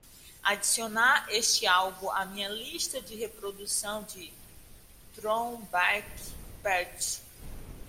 adicionar este álbum à minha lista de reprodução do Throwback Party